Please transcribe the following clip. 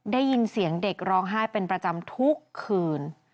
ได้ยินเสียงเด็กร้องไห้เป็นประจำทุกคืน